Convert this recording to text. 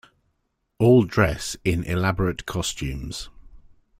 All dress in elaborate costumes.